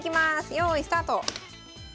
よいスタート。